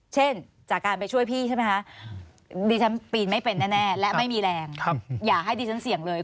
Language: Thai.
เช่นจากการไปช่วยพี่ใช่ไหมคะดิฉันปีนไม่เป็นแน่และไม่มีแรงอย่าให้ดิฉันเสี่ยงเลย